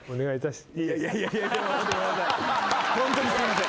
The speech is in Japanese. ホントにすいません。